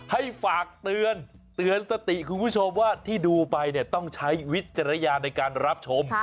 ให้ฝากเตือนเตือนสติคุณผู้ชมว่าที่ดูไปเนี่ยต้องใช้วิจารณญาณในการรับชม